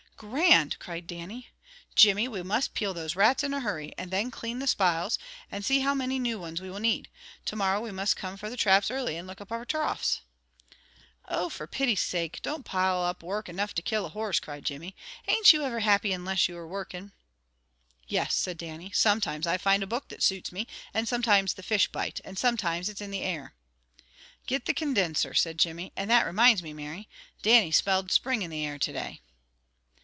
"Grand!" cried Dannie. "Jimmy, we must peel those rats in a hurry, and then clean the spiles, and see how mony new ones we will need. To morrow we must come frae the traps early and look up our troughs." "Oh, for pity sake, don't pile up work enough to kill a horse," cried Jimmy. "Ain't you ever happy unless you are workin'?" "Yes," said Dannie. "Sometimes I find a book that suits me, and sometimes the fish bite, and sometimes it's in the air." "Git the condinser" said Jimmy. "And that reminds me, Mary, Dannie smelled spring in the air to day."